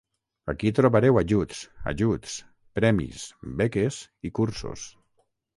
Aquí trobareu ajuts, ajuts, premis, beques i cursos.